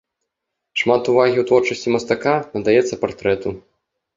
Шмат увагі ў творчасці мастака надаецца партрэту.